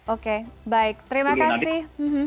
oke baik terima kasih